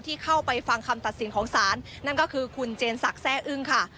เข้าไปฟังคำตัดสินของศาลนั่นก็คือคุณเจนศักดิ์แซ่อึ้งค่ะ